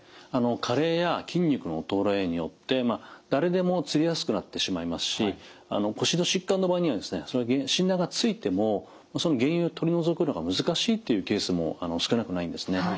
加齢や筋肉の衰えによって誰でもつりやすくなってしまいますし腰の疾患の場合にはですね診断がついてもその原因を取り除くのが難しいというケースも少なくないんですね。